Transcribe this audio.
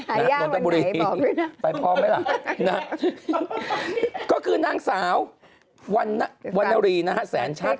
หญ้าวันไหนบอกหน่อยนะครับก็คือนางสาววันนารีแสนชาติ